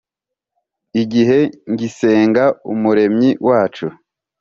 Igihe ngisenga Umuremyi wacu